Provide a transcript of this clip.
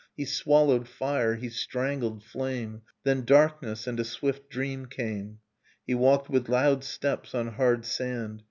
He swallowed fire, he strangled flame, Then darkness and a swift dream came. ,.. He walked with loud steps on hard sand.